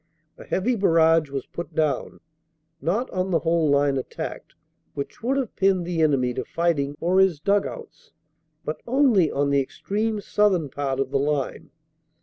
A heavy barrage was put down, not on the whole line attacked, which would have pinned the enemy to fighting or his dug outs, but only on the extreme southern part of the line.